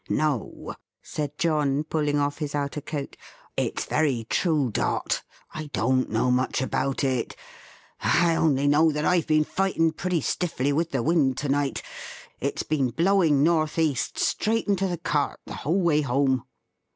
"No," said John, pulling off his outer coat. "It's very true, Dot. I don't know much about it. I only know that I've been fighting pretty stiffly with the Wind to night. It's been blowing north east, straight into the cart, the whole way home."